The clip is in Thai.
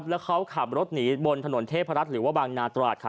แล้วเขาขับรถหนีบนถนนเทพรัฐหรือว่าบางนาตราดค่ะ